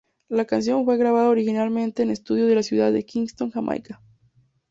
La canción fue grabada originalmente en un estudio de la ciudad de Kingston, Jamaica.